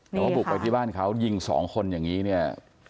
แต่ว่าบุกไปที่บ้านเขายิงสองคนอย่างนี้เนี่ย